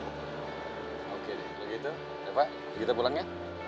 oke deh kalo gitu reva kita pulang ya